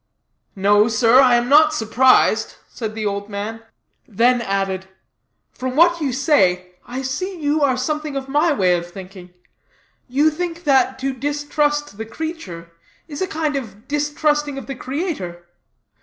"No, sir, I am not surprised," said the old man; then added: "from what you say, I see you are something of my way of thinking you think that to distrust the creature, is a kind of distrusting of the Creator.